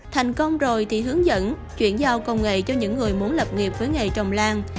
thành công rồi thì hướng dẫn chuyển giao công nghệ cho những người muốn lập nghiệp với nghề trồng lan